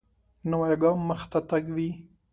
نوی ګام مخته تګ وي